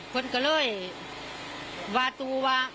คือ